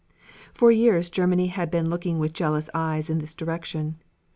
For years Germany had been looking with jealous eyes in this direction.